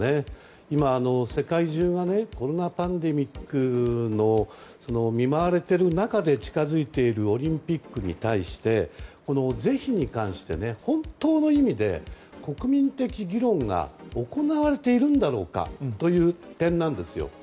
今、世界中がこんなパンデミックに見舞われている中で近づいているオリンピックに対してこの是非に関して本当の意味で国民的議論が行われているんだろうかという点なんですよ。